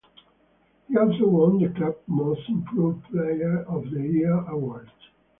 He also won the club's 'Most Improved Player of the Year' award.